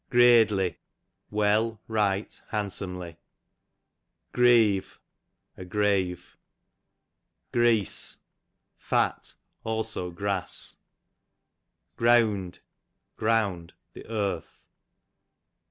Greadly, well, right, handsomely. Greave, a grave. GTea.se, fat ; also grass. Greawnd, ground, the earth.